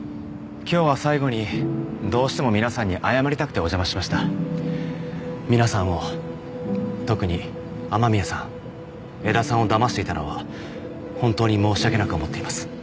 今日は最後にどうしても皆さんに謝まりたくてお邪魔しました皆さんを特に雨宮さん江田さんをだましていたのは本当に申し訳なく思っています